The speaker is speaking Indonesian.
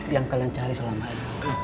yang kalian cari selama ini